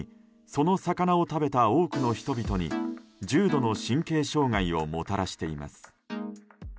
その魚を食べた多くの人々に重度の神経障害をもたらしています。